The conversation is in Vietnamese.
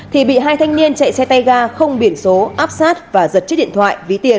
thì bị hai thanh niên chạy xe tay ga không biển số áp sát và giật chiếc điện thoại ví tiền